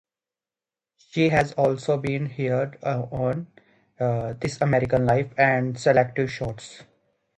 She has also been heard on "This American Life" and "Selected Shorts".